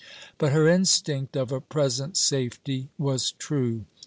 But her instinct of a present safety was true.